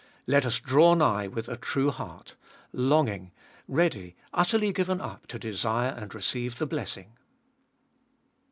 Let us draw nigh with a true heart — longing, ready, utterly given up to desire and receive the blessing.